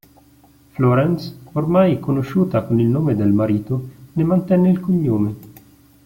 Florence, ormai conosciuta con il nome del marito, ne mantenne il cognome.